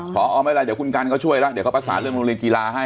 พออไม่รับคุณกันช่วยล่ะเดี๋ยวเขาผสาเรื่องโรงเรียนกีฬาให้